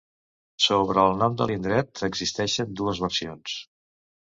Sobre el nom de l'indret existeixen dues versions.